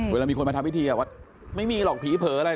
เวลามีคนมาทำพิธีว่าไม่มีหรอกผีเผลออะไร